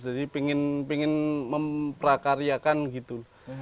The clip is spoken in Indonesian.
jadi pingin memprakaryakan gitu